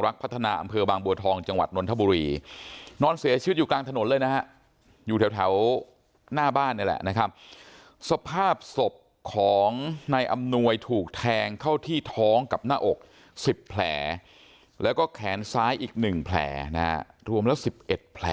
แรงเข้าที่ท้องกับหน้าอก๑๐แผลแล้วก็แขนซ้ายอีก๑แผลนะรวมแล้ว๑๑แผล